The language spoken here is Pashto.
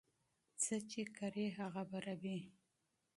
څه چې کري هغه به رېبې